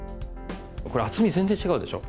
これ厚み全然違うでしょ？